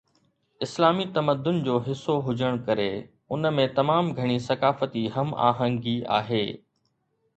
اسلامي تمدن جو حصو هجڻ ڪري ان ۾ تمام گهڻي ثقافتي هم آهنگي آهي